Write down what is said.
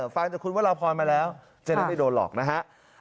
ฟังจากคุณวรพรมาแล้วจะได้ไม่โดนหลอกนะฮะ